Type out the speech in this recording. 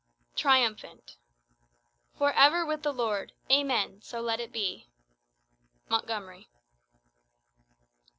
Triumphant. "For ever with the Lord! Amen! to let it be!" Montgomery.